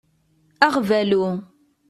Aɣbalu.